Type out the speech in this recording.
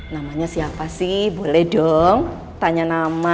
namanya siapa sih boleh dong tanya nama